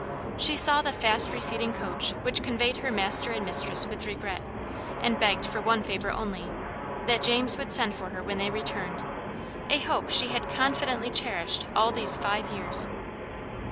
She saw the fast receding coach which conveyed her master and mistress with regret, and begged for one favor only, that James would send for her when they returned, a hope she had confidently cherished all these five years.